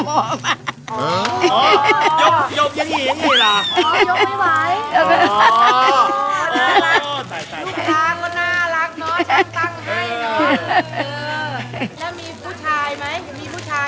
มีผู้ชายไหม